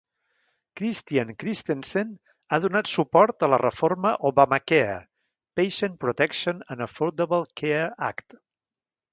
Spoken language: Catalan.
Christian-Christensen ha donat suport a la reforma Obamacare (Patient Protection and Affordable Care Act).